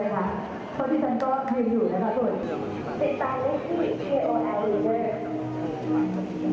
เพราะที่ฉันก็มีอยู่นะคะส่วน